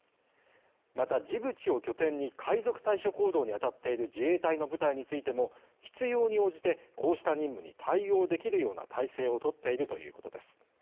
またジブチを拠点に海賊対処行動に当たっている自衛隊の部隊についても、必要に応じてこうした任務に対応できるような態勢をとっているということです。